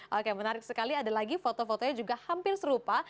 oke menarik sekali ada lagi foto fotonya juga hampir serupa